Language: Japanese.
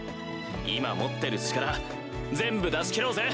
「今持ってる力全部出し切ろうぜ」